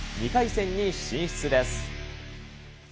２回線に進出です。